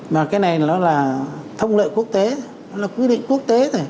mà cái này nó là thông lợi quốc tế nó là quy định quốc tế thôi